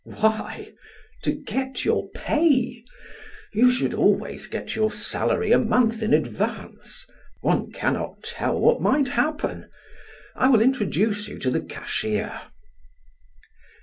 "Why? To get your pay? You should always get your salary a month in advance. One cannot tell what might happen. I will introduce you to the cashier."